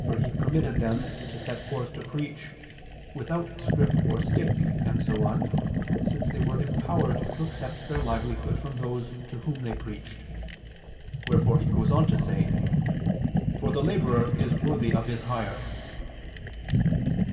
For He permitted them to set forth to preach without scrip or stick, and so on, since they were empowered to accept their livelihood from those to whom they preached: wherefore He goes on to say: "For the laborer is worthy of his hire."